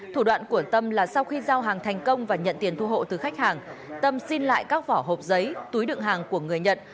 thủ đoạn của tâm là sau khi giao hàng thành công và nhận tiền thu hộ từ khách hàng tâm xin lại các vỏ hộp giấy túi đựng hàng của người nhận